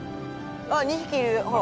あっ２ひきいるほら！